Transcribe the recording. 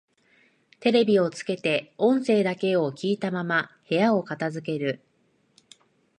テレビをつけて音声だけを聞いたまま部屋を片づける